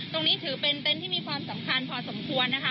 ถือเป็นเต็นต์ที่มีความสำคัญพอสมควรนะคะ